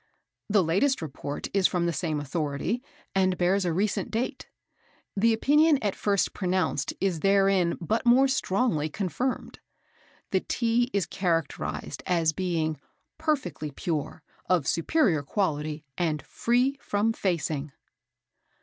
The latest report is from the same authority, and bears a recent date. The opinion at first pronounced is therein but more strongly confirmed. The Tea is characterised as being "perfectly pure, of superior quality, and free from facing."